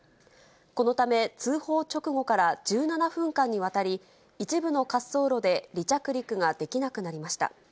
このため通報直後から１７分間にわたり、一部の滑走路で離着陸ができなくなりました。